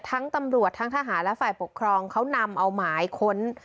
ทั้งตำรวจทั้งทหารและฝ่ายปกครองเขานำเอาหมายค้น